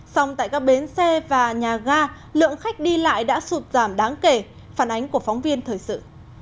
song tại các bến xe và nhà ga lượng khách đi lại đã sụt giảm đáng kể phản ánh của phóng viên thời sự